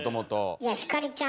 いやひかりちゃん